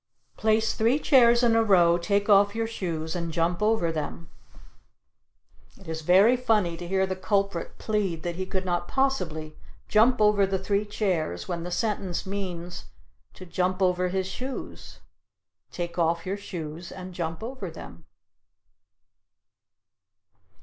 Place three Chairs in a Row, Take off Your Shoes and Jump Over them. It is very funny to hear the culprit plead that he could not possibly jump over the three chairs when the sentence means to jump over his shoes "take off your shoes and jump over them."